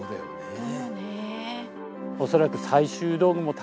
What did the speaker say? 本当よね。